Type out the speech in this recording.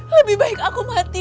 lebih baik aku mati